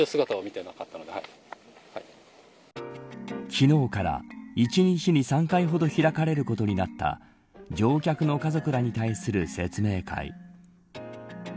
昨日から１日に３回程開かれることになった乗客の家族らに対する説明会。